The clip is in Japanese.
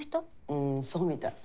うんそうみたい。